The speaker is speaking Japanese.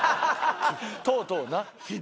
とうとうな。